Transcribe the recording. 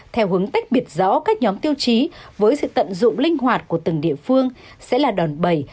theo hướng tách biệt rõ các nhóm tiêu chí với sự tận dụng linh hoạt của từng địa phương sẽ là đòn bẩy